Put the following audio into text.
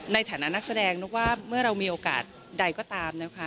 ในฐานะนักแสดงนึกว่าเมื่อเรามีโอกาสใดก็ตามนะคะ